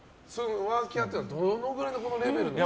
ワーキャーっていうのはどれぐらいのレベルで？